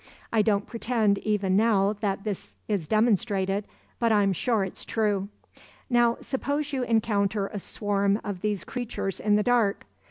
I don't pretend even now that this is demonstrated, but I'm sure it's true. "Now suppose you encounter a swarm of these creatures in the dark.